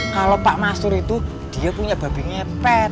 kalau pak masyur itu dia punya babi ngepet